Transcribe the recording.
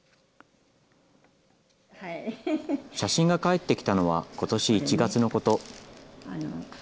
写真が返ってきたのは、ことし１月のこと。